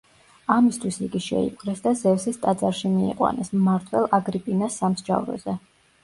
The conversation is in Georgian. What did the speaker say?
ამისთვის იგი შეიპყრეს და ზევსის ტაძარში მიიყვანეს, მმართველ აგრიპინას სამსჯავროზე.